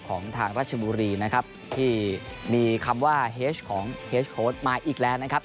ของทางราชบุรีนะครับที่มีคำว่าเฮชของเฮสโค้ดมาอีกแล้วนะครับ